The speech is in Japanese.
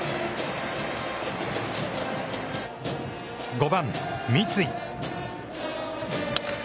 ５番・三井。